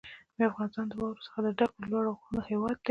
افغانستان د واورو څخه د ډکو لوړو غرونو هېواد دی.